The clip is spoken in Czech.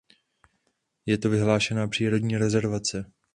Je tu vyhlášena přírodní rezervace.